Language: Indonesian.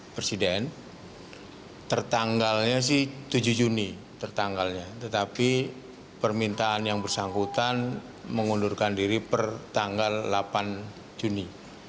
presiden tertanggalnya sih tujuh juni tetapi permintaan yang bersangkutan mengundurkan diri per tanggal delapan juni dua ribu delapan belas